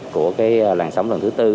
của cái làng sống lần thứ tư